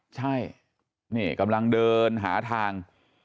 ใช่นี่กำลังเดินหาทาง